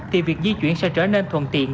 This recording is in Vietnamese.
thì việc di chuyển sẽ trở nên thuận tiện